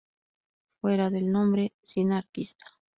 Fuera del nombre "sinarquista".